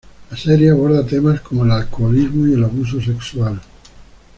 La serie aborda temas como el alcoholismo y el abuso sexual.